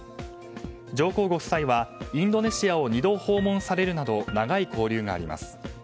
上皇ご夫妻はインドネシアを２度訪問されるなど長い交流があります。